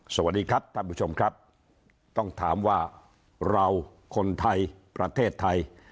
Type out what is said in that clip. สวัสดีครับท่านผู้ชมครับต้องถามว่าเราคนไทยประเทศไทย